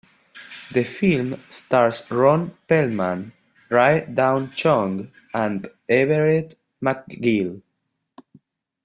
The film stars Ron Perlman, Rae Dawn Chong and Everett McGill.